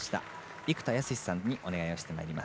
生田泰志さんにお願いします。